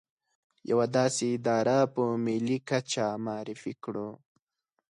يوه داسې اداره په ملي کچه معرفي کړو.